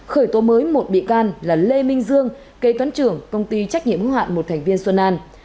khởi tố mới một bị can là lê minh dương kế toán trưởng công ty trách nhiệm hữu hạn một thành viên xuân an